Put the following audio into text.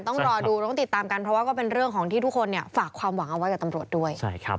ต้องรอดูต้องติดตามกันเพราะว่าก็เป็นเรื่องของที่ทุกคนฝากความหวังเอาไว้กับตำรวจด้วย